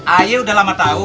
ayah udah lama tau